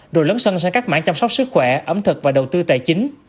rồi lớn sân sang các mảng chăm sóc sức khỏe ẩm thực và đầu tư tài chính